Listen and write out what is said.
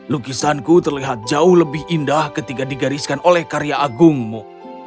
lukisanku terlihat jauh lebih indah ketika digariskan oleh karya agungmu